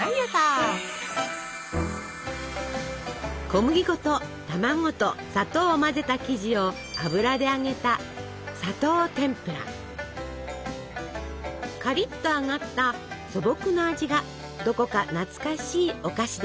小麦粉と卵と砂糖を混ぜた生地を油で揚げたカリッと揚がった素朴な味がどこか懐かしいお菓子です。